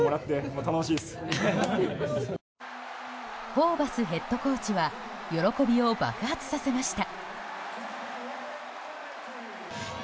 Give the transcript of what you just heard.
ホーバスヘッドコーチは喜びを爆発させました。